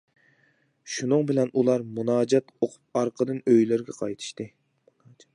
شۇنىڭ بىلەن ئۇلار مۇناجات ئوقۇپ ئارقىدىن ئۆيلىرىگە قايتىشتى.